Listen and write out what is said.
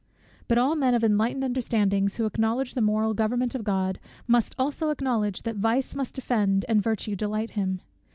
But all men of enlightened understandings, who acknowledge the moral government of God, must also acknowledge, that vice must offend and virtue delight him.